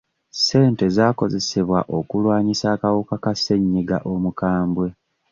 Ssente zaakozesebwa okulwanyisa akawuka ka ssenyiga omukambwe.